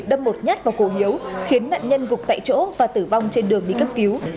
đâm một nhát vào cổ hiếu khiến nạn nhân gục tại chỗ và tử vong trên đường đi cấp cứu